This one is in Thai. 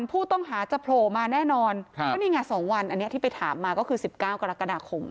ผู้ต้องหาจะโผล่มาแน่นอนครับวันนี้ไงสองวันอันเนี้ยที่ไปถามมาก็คือสิบเก้ากรกฎาคม